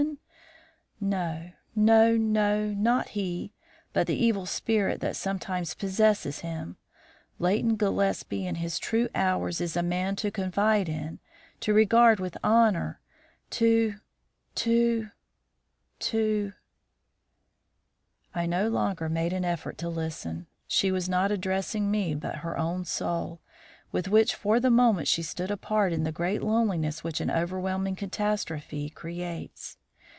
no, no, no, not he, but the evil spirit that sometimes possesses him. Leighton Gillespie in his true hours is a man to confide in, to regard with honour, to to to " I no longer made an effort at listening. She was not addressing me, but her own soul, with which for the moment she stood apart in the great loneliness which an overwhelming catastrophe creates.